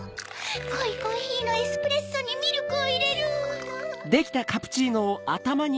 こいコーヒーのエスプレッソにミルクをいれるの。